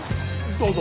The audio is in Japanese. どうぞ！